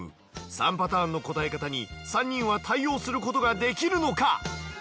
３パターンの答え方に３人は対応することができるのか？